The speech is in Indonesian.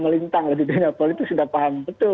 melintang di dunia politik sudah paham betul